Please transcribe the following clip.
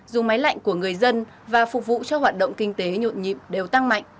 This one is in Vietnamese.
dùng máy lạnh của người dân và phục vụ cho hoạt động kinh tế nhuận nhịp đều tăng mạnh